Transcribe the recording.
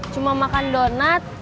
cuma makan donat